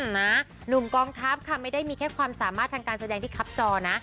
หนุ่มกองทัพค่ะไม่ได้มีแค่ความสามารถทางการแสดงที่คับจอนะ